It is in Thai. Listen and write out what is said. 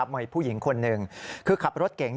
มีผู้หญิงคนหนึ่งคือขับรถเก๋ง